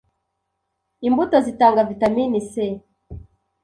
imbuto zitanga vitamini C